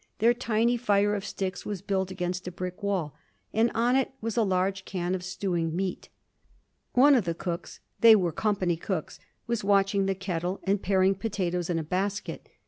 Their tiny fire of sticks was built against a brick wall, and on it was a large can of stewing meat. One of the cooks they were company cooks was watching the kettle and paring potatoes in a basket.